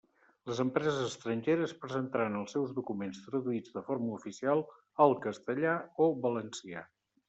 Les empreses estrangeres presentaran els seus documents traduïts de forma oficial al castellà o valencià.